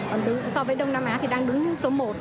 còn so với đông nam á thì đang đứng số một